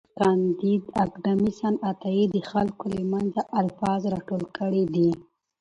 کانديد اکاډميسن عطايي د خلکو له منځه الفاظ راټول کړي دي.